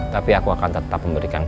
tapi aku akan tetap memberikan